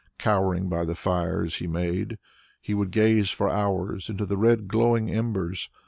Cowering by the fires he made, he would gaze for hours into the red glowing embers.